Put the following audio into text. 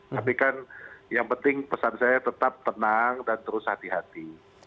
tapi kan yang penting pesan saya tetap tenang dan terus hati hati